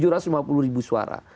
tujuh ratus lima puluh ribu suara